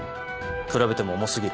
比べても重過ぎる。